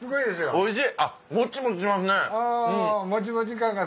おいしい。